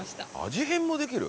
味変もできる？